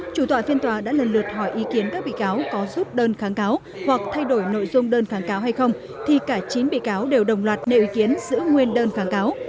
chủ tọa phiên tòa đã lần lượt hỏi ý kiến các bị cáo có rút đơn kháng cáo hoặc thay đổi nội dung đơn kháng cáo hay không thì cả chín bị cáo đều đồng loạt nêu ý kiến giữ nguyên đơn kháng cáo